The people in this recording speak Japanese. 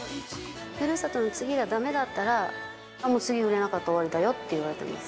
ふるさとの次がだめだったら、もう次売れなかったら終わりだよって言われてます。